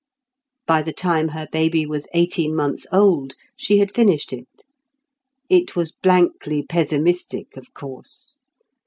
By the time her baby was eighteen months old, she had finished it. It was blankly pessimistic, of course.